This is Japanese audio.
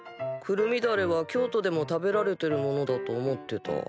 くるみだれは京都でも食べられてるものだと思ってた。